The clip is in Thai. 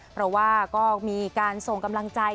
เพราะว่าก็มีการส่งกำลังใจ